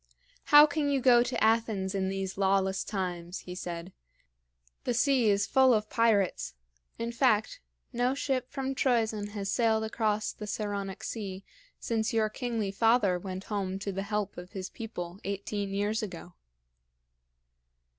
"How can you go to Athens in these lawless times?" he said. "The sea is full of pirates. In fact, no ship from Troezen has sailed across the Saronic Sea since your kingly father went home to the help of his people, eighteen years ago."